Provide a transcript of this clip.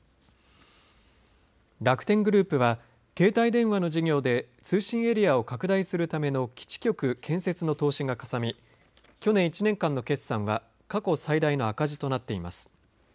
楽天グループは携帯電話の事業で通信エリアを拡大するための基地局建設の投資がかさみ去年１年間の決算は過去最大の赤字となっています。